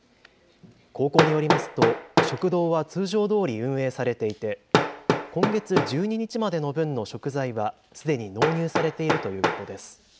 高校によりますと食堂は通常どおり運営されていて今月１２日までの分の食材はすでに納入されているということです。